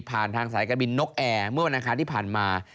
ผ่านทางสายการบินนกแอร์เมื่อวันทางที่ผ่านมา